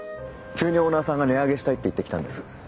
急にオーナーさんが値上げしたいって言ってきたんです。